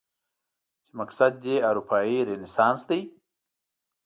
چې مقصد دې اروپايي رنسانس دی؟